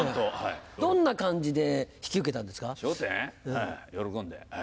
はい喜んではい。